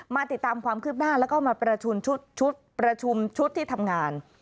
มาติดตามความคลิบหน้าแล้วก็มาประชุมชุดที่ทำงาน